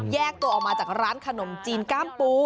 แยกตัวออกมาจากร้านขนมจีนกล้ามปู